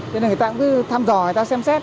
nên là người ta cũng cứ thăm dò người ta xem xét